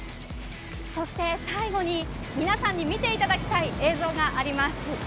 そして最後に皆さんに見ていただきたい映像があります。